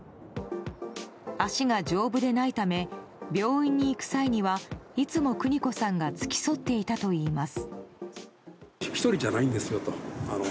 足が丈夫でないため病院に行く際にはいつも邦子さんが付き添っていたといいます。